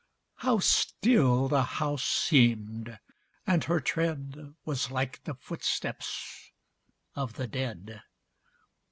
How still the house seemed! and her tread Was like the footsteps of the dead.